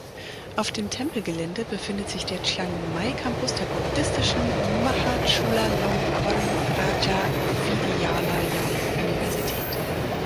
Auf dem Tempelgelände befindet sich der Chiang-Mai-Campus der buddhistischen Mahachulalongkornrajavidyalaya-Universität.